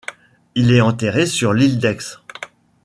Il est enterré sur l'île d'Aix.